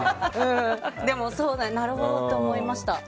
でも、なるほどって思いました。